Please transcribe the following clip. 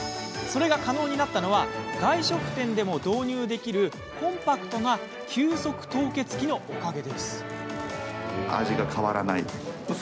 それが可能になったのは外食店でも導入できるコンパクトな急速凍結機のおかげ。